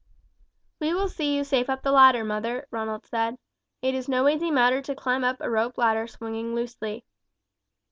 "We will see you safe up the ladder, mother," Ronald said. "It is no easy matter to climb up a rope ladder swinging loosely."